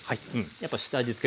やっぱ下味つけ